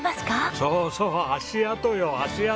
そうそう足跡よ足跡！